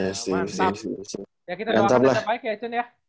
ya kita doakan tetap baik ya cun ya